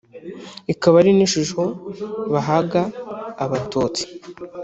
ikaba ari n’ishusho bahaga abatutsi